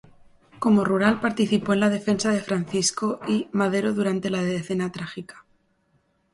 Como rural participó en la defensa de Francisco I. Madero durante la Decena Trágica.